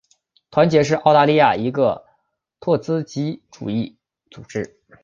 团结是澳大利亚的一个托洛茨基主义组织。